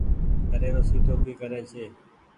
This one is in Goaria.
گهري رو سيڌو ڀي ڪري ڇي۔